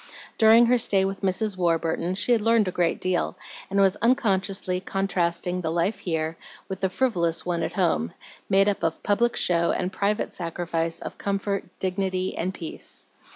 During her stay with Mrs. Warburton she had learned a good deal, and was unconsciously contrasting the life here with the frivolous one at home, made up of public show and private sacrifice of comfort, dignity, and peace.